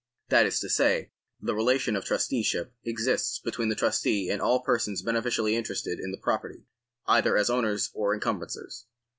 That is to say, the relation of trusteeship exists between the trustee and all persons beneficially interested in the property, either as owners or encumbrancers.